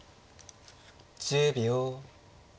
１０秒。